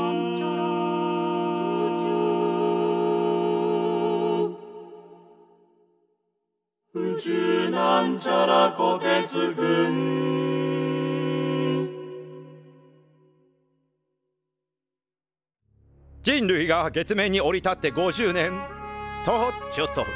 「宇宙」人類が月面に降り立って５０年！とちょっと。